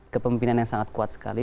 kepemimpinan yang sangat kuat sekali